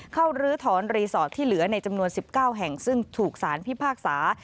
ลื้อถอนรีสอร์ทที่เหลือในจำนวน๑๙แห่งซึ่งถูกสารพิพากษา